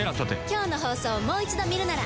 今日の放送をもう一度見るなら。